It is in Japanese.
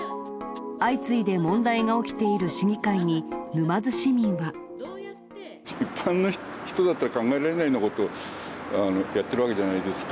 相次いで問題が起きている市議会一般の人だったら考えられないようなことをやってるわけじゃないですか。